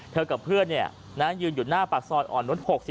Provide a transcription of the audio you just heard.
เธอกับเพื่อนนี่ยืนอยู่หน้าปากซอดอ่อนรถ๖๖